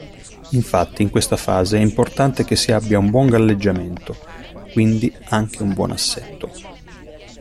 Infatti, in questa fase è importante che si abbia un buon galleggiamento (quindi anche un buon assetto).